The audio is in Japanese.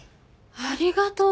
ありがとう。